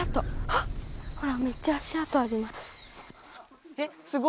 ほらめっちゃ足跡あります。